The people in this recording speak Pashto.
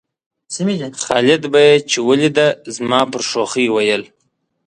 خالد به یې چې ولېده زما پر شوخۍ ویل.